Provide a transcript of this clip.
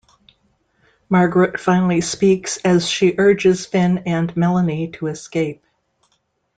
Margaret finally speaks as she urges Finn and Melanie to escape.